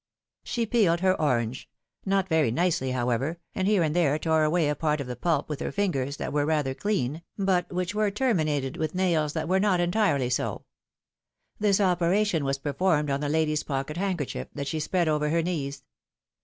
She peeled her orange — not very nicely, however, and PHILOM^:NE^S MARRIAGES. 219 here and there tore away a part of the pulp with her fingers, that were rather clean, but which were terminated with nails that were not entirely so. This operation was performed on the lady's pocket handkerchief, that she spread over her knees.